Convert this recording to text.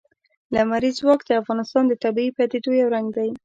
لمریز ځواک د افغانستان د طبیعي پدیدو یو رنګ دی.